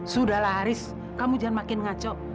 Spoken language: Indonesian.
sudahlah haris kamu jangan makin ngaco